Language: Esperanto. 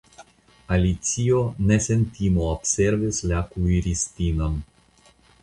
Alicio ne sen timo observis la kuiristinon.